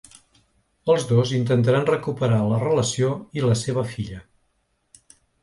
Els dos intentaran recuperar la relació i la seva filla.